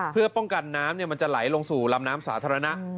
เพื่อป้องกันน้ำมันจะไหลลงสู่ลำน้ำสาธารณะ